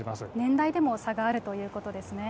年代でも差があるということですね。